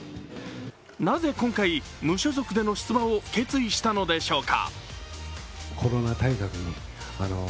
なぜ今回、無所属での出馬を決意したのでしょうか。